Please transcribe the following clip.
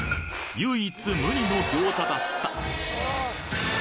唯一無二の餃子だった！